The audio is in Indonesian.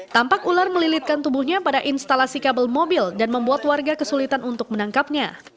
tampak ular melilitkan tubuhnya pada instalasi kabel mobil dan membuat warga kesulitan untuk menangkapnya